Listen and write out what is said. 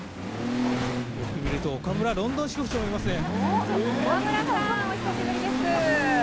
あ、よく見ると岡村ロンドン支局長もいますね。